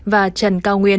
và trần cao nguyên